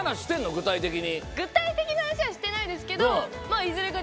具体的な話はしてないですけど。